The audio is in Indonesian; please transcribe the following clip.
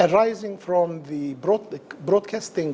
yang terdiri dari konten broadcasting